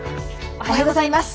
おはようございます。